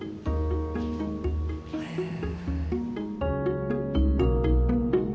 へえ。